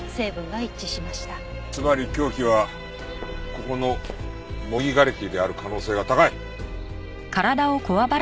つまり凶器はここの模擬瓦礫である可能性が高い。